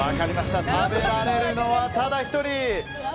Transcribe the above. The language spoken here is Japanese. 食べられるのはただ１人。